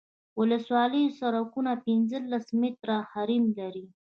ولسوالي سرکونه پنځلس متره حریم لري